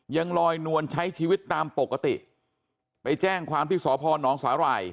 ยังลอยนวลใช้ชีวิตตามปกติไปแจ้งความที่สพนสาหร่าย